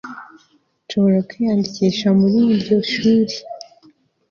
nshobora kwiyandikisha muri iryo shuri